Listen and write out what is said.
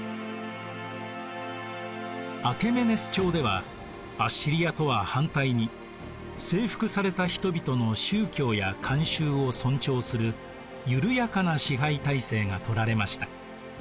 アケメネス朝ではアッシリアとは反対に征服された人々の宗教や慣習を尊重する緩やかな支配体制が取られました。